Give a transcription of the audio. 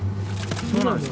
そうなんですか。